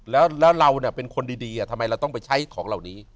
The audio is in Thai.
แล้วเราเป็นคนดีทำไมเราต้องไปใช้ของเหล่านี้